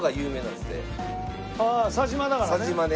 ああ佐島だからね。